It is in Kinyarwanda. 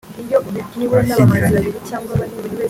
twashyingiranye